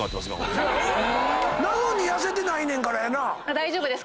大丈夫です。